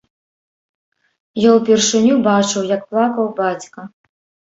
Я ўпершыню бачыў, як плакаў бацька.